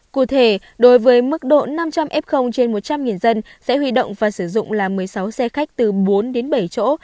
cụ thể đối với mức độ năm trăm linh f trên một trăm linh dân sẽ huy động và sử dụng là một mươi sáu xe khách từ bốn đến bảy chỗ